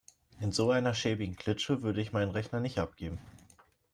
In so einer schäbigen Klitsche würde ich meinen Rechner nicht abgeben.